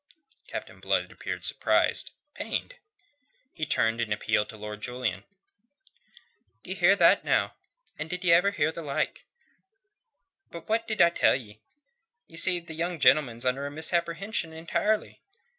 Captain Blood appeared surprised, pained. He turned in appeal to Lord Julian. "D'ye hear that now? And did ye ever hear the like? But what did I tell ye? Ye see, the young gentleman's under a misapprehension entirely.